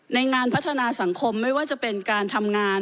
ในงานพัฒนาสังคมไม่ว่าจะเป็นการทำงาน